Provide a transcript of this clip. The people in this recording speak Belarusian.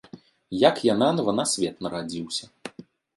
Як я нанава на свет нарадзіўся.